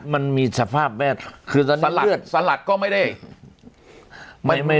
มันมีสภาพสันหลัดก็ไม่ดี